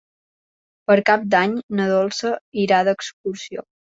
Per Cap d'Any na Dolça irà d'excursió.